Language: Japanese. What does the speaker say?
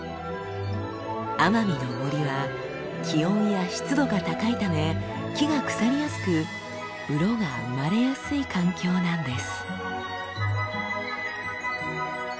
奄美の森は気温や湿度が高いため木が腐りやすくうろが生まれやすい環境なんです。